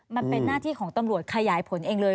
มันเป็นหน้าที่ของตำรวจขยายผลเองเลย